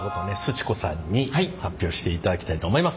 ち子さんに発表していただきたいと思います。